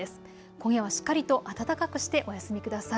今夜はしっかりと暖かくしてお休みください。